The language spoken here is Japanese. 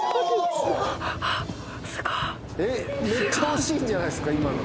めっちゃ惜しいんじゃないですか今の。